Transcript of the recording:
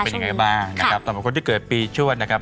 เป็นอย่างไรบ้างสำหรับคนที่เกิดปีชั่วนะครับ